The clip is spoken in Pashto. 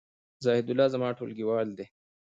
زاهیدالله زما ټولګیوال دی